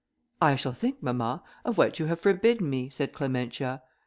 "I shall think, mamma, of what you have forbidden me," said Clementia.